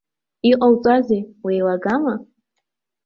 Иҟоуҵозеи, уеилагама?